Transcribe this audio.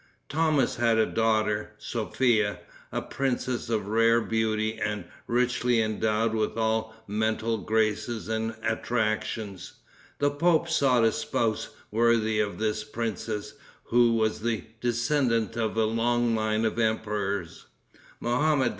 Thomas had a daughter, Sophia, a princess of rare beauty, and richly endowed with all mental graces and attractions. The pope sought a spouse worthy of this princess, who was the descendant of a long line of emperors. Mohammed II.